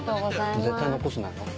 絶対残すなよ。